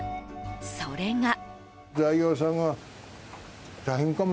それが。